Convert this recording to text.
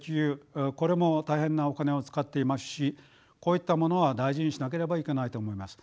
これも大変なお金を使っていますしこういったものは大事にしなければいけないと思います。